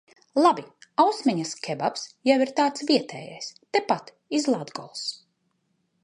Labi, Ausmeņas kebabs jau ir tāds vietējais, tepat iz Latgols.